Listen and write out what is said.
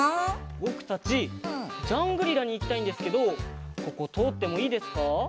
ぼくたちジャングリラにいきたいんですけどこことおってもいいですか？